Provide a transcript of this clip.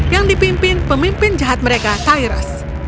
yang dipimpin pemimpin jahat mereka tyrus